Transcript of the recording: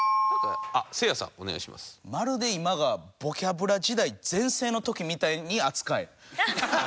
まるで今がボキャブラ時代全盛の時みたいに扱え。